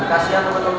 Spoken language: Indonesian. kasih atas kemudian